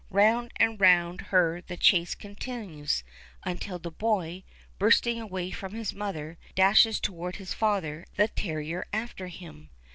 Round and round her the chase continues, until the boy, bursting away from his mother, dashes toward his father, the terrier after him.